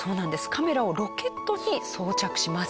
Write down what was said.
カメラをロケットに装着します。